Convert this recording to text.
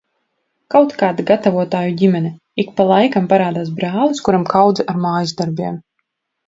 Kaut kāda gatavotāju ģimene. Ik pa laikam parādās brālis, kuram kaudze ar mājasdarbiem.